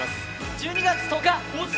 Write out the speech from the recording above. １２月１０日！